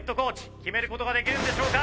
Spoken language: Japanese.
決める事ができるんでしょうか？